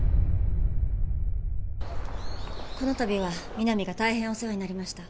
この度は南が大変お世話になりました。